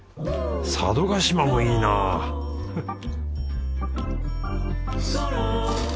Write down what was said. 佐渡島もいいなフッ